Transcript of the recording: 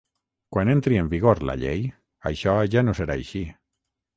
Quan entri en vigor la llei, això ja no serà així.